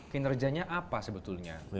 kinerjanya apa sebetulnya